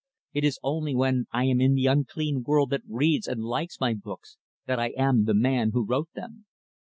It is only when I am in the unclean world that reads and likes my books that I am the man who wrote them."